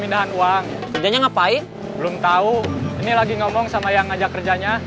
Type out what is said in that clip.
pindahan uang kerjanya ngapain belum tahu ini lagi ngomong sama yang ngajak kerjanya